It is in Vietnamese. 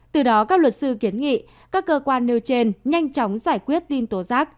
từ đó các luật sư kiến nghị các cơ quan nêu trên nhanh chóng giải quyết tin tố giác